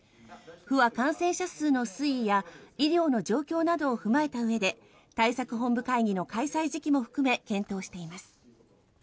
府は感染者数の推移や医療の状況などを踏まえたうえで対策本部会議の開催時期も含め検討しています。